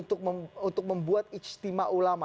untuk membuat istimewa ulama